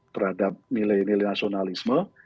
terhadap nilai nilai nasionalisme